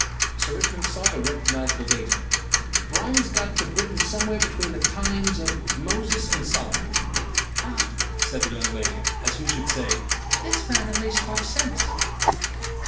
Sir Richmond sought a recognizable datum. "Bronze got to Britain somewhere between the times of Moses and Solomon." "Ah!" said the young lady, as who should say, 'This man at least talks sense.